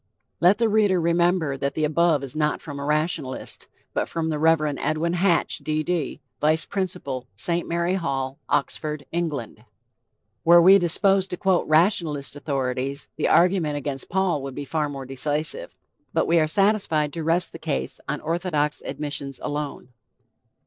Let the reader remember that the above is not from a rationalist, but from the Rev. Edwin Hatch, D. D., Vice Principal, St. Mary Hall, Oxford, England. Were we disposed to quote rationalist authorities, the argument against Paul would be far more decisive. But we are satisfied to rest the case on orthodox admissions alone.